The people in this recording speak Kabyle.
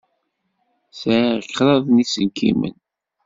Sɛiɣ kraḍ n yiselkimen.